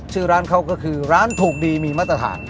ชื่อร้านเขาก็คือร้านถูกดีมีมาตรฐาน